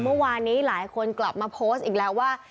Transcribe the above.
เมื่อวานนี้หลายคนกลับมาโพสต์อีกแล้วว่า